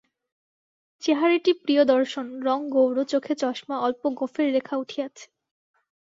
চেহারাটি প্রিয়দর্শন, রঙ গৌর, চোখে চশমা, অল্প গোঁফের রেখা উঠিয়াছে।